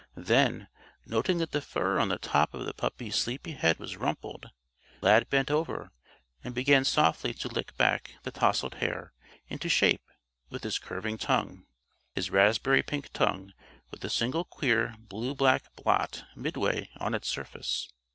Then, noting that the fur on the top of the puppy's sleepy head was rumpled, Lad bent over and began softly to lick back the tousled hair into shape with his curving tongue his raspberry pink tongue with the single queer blue black blot midway on its surface.